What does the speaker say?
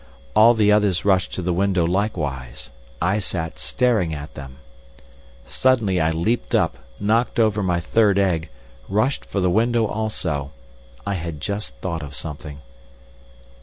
All the others rushed to the window likewise. I sat staring at them. Suddenly I leapt up, knocked over my third egg, rushed for the window also. I had just thought of something.